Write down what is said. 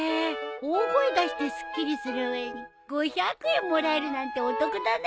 大声出してすっきりする上に５００円もらえるなんてお得だね。